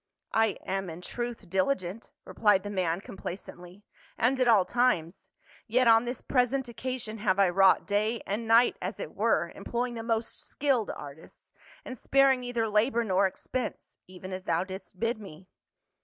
" I am, in truth, diligent," replied the man com placently, " and at all times ; yet on this present occa sion have I wrought day and night, as it were, em ploying the most skilled artists, and sparing neither labor nor expense — even as thou didst bid me."